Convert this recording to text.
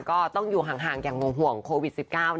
ก็ต้องอยู่ห่างอย่างห่วงโควิด๑๙